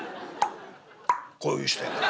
「こういう人やから。